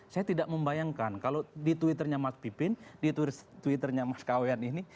saya tidak membayangkan kalau di twitter nya mas pipin di twitter nya mas kawian ini